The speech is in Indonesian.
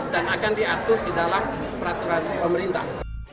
dan akan diatur di dalam peraturan pemerintah